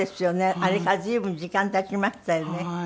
あれから随分時間経ちましたよね。